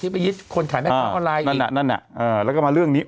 ไม่แต่เดือนที่